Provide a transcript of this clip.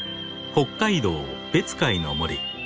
北海道別海の森。